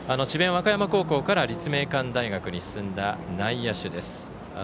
和歌山高校から立命館大学に進んだ内野手です。